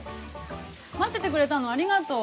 ◆待っててくれたの、ありがとう。